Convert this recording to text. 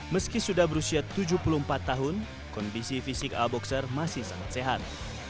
meski sudah berusia tujuh puluh empat tahun kondisi fisik aboxer masih sangat sehat